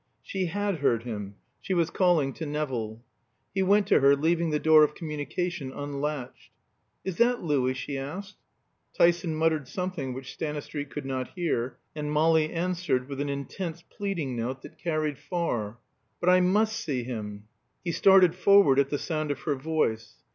She had heard him; she was calling to Nevill. He went to her, leaving the door of communication unlatched. "Is that Louis?" she asked. Tyson muttered something which Stanistreet could not hear, and Molly answered with an intense pleading note that carried far. "But I must see him." He started forward at the sound of her voice.